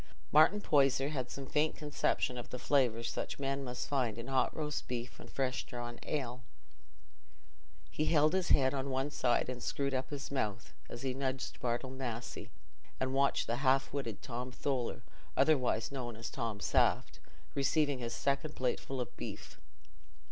Martin Poyser had some faint conception of the flavour such men must find in hot roast beef and fresh drawn ale. He held his head on one side and screwed up his mouth, as he nudged Bartle Massey, and watched half witted Tom Tholer, otherwise known as "Tom Saft," receiving his second plateful of beef.